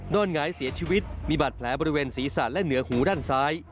หงายเสียชีวิตมีบาดแผลบริเวณศีรษะและเหนือหูด้านซ้าย